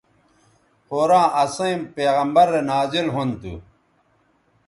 قرآن اسئیں پیغمبرؐ رے نازل ھُون تھو